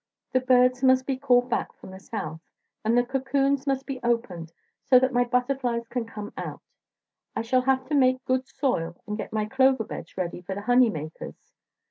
The birds must be called back from the South, and the cocooons must be opened so that my butterflies can come out. I shall have to make good soil and get my clover beds ready for the honey makers.